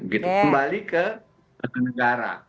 kembali ke tata negara